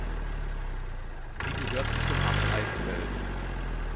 Sie gehörten zum Amt Eisfeld.